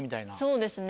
そうですね。